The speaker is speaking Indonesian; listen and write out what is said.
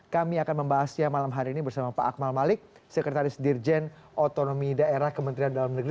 kami akan membahasnya malam hari ini bersama pak akmal malik sekretaris dirjen otonomi daerah kementerian dalam negeri